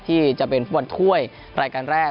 ที่จะเป็นฟุตบอลถ้วยรายการแรก